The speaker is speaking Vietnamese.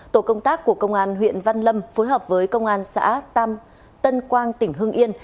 tổ công tác của công an huyện văn lâm phối hợp với công an xã tam quang tỉnh hưng yên